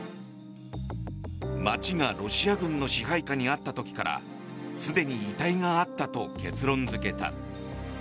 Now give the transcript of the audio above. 街がロシア軍の支配下にあった時からすでに遺体があったと結論付けた。